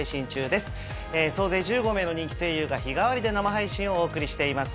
総勢１５名の人気声優が日替わりで生配信をお送りしています。